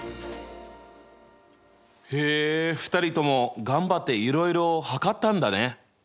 へえ２人とも頑張っていろいろ測ったんだね。